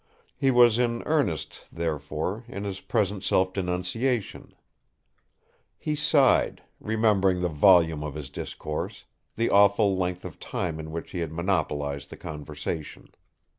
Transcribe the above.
He was in earnest, therefore, in his present self denunciation. He sighed, remembering the volume of his discourse, the awful length of time in which he had monopolized the conversation.